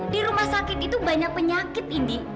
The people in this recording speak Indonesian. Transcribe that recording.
di rumah sakit itu banyak penyakit ini